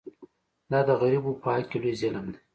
دا د غریبو په حق کې لوی ظلم دی.